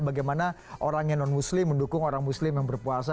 bagaimana orang yang non muslim mendukung orang muslim yang berpuasa